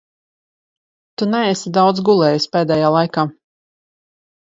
Tu neesi daudz gulējis pēdējā laikā.